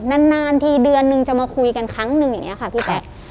นานทีเดือนนึงจะมาคุยกันครั้งหนึ่งอย่างนี้ค่ะพี่แจ๊ค